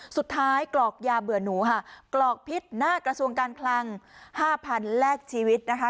กรอกยาเบื่อหนูค่ะกรอกพิษหน้ากระทรวงการคลัง๕๐๐แลกชีวิตนะคะ